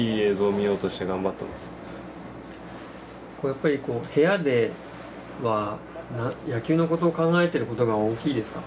やっぱりこう部屋では野球のことを考えてることが大きいですか？